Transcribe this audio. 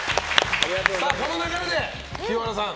この流れで清原さん